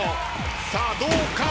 さあどうか？